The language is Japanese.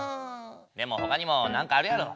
でもほかにもなんかあるやろ。